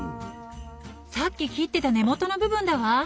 さっき切ってた根元の部分だわ！